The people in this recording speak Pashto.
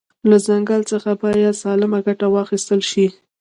له ځنګل ځخه باید سالمه ګټه واخیستل شي